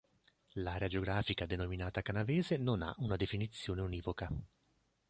L'area geografica denominata Canavese non ha una definizione univoca.